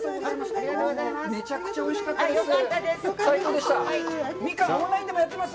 めちゃくちゃおいしかったです。